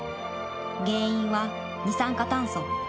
原因は二酸化炭素。